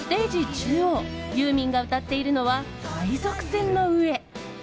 中央、ユーミンが歌っているのは海賊船の上。